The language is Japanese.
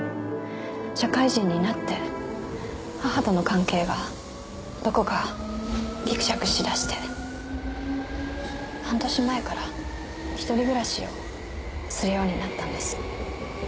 社会人になって母との関係がどこかギクシャクしだして半年前から一人暮らしをするようになったんです。